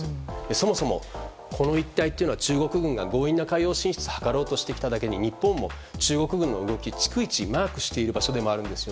そもそも、この一帯というのは中国軍が強引な海洋進出を図ろうとしていただけに日本も中国軍の動きを逐一マークしている場所でもあるんです。